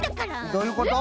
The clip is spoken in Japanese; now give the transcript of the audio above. どういうこと？